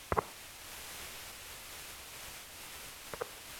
যখন আমার বয়স চার, আবিষ্কার করি যত বিশেষত্ব আমার।